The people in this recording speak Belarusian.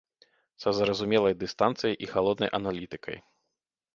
Са зразумелай дыстанцыяй і халоднай аналітыкай.